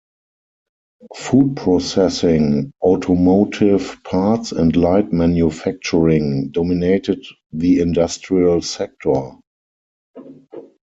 Food processing, automotive parts and light manufacturing dominated the industrial sector.